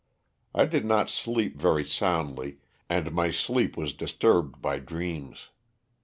I did not sleep very soundly and my sleep was disturbed by dreams.